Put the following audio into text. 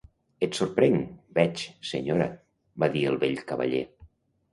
"Et sorprenc, veig, senyora", va dir el vell cavaller.